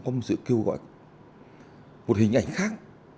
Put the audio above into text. không sự kêu gọi một hình ảnh khác